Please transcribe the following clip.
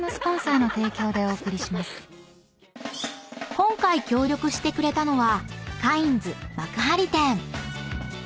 ［今回協力してくれたのは］